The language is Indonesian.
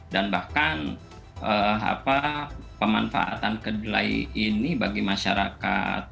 dan bahkan pemanfaatan kedelai ini bagi masyarakat